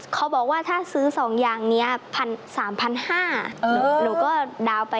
เขาบอกว่าถ้าซื้อสองอย่างนี้๓๕๐๐บาท